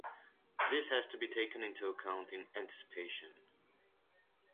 This has to be taken into account in anticipation.